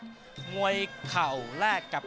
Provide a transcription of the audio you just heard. สวัสดีครับ